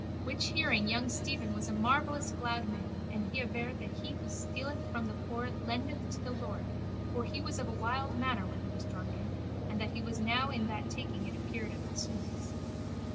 Which hearing young Stephen was a marvellous glad man and he averred that he who stealeth from the poor lendeth to the Lord for he was of a wild manner when he was drunken and that he was now in that taking it appeared eftsoons.